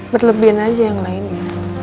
berlebihan aja yang lainnya